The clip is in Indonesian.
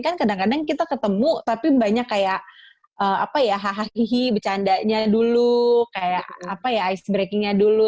kan kadang kadang kita ketemu tapi banyak kayak apa ya hahakihi bercandanya dulu kayak apa ya icebreakingnya dulu